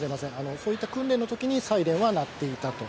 そういった訓練のときにサイレンは鳴っていたと。